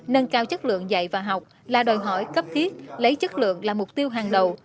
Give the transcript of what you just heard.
nâng cao chất lượng dạy và học là đòi hỏi cấp thiết lấy chất lượng là mục tiêu hàng đầu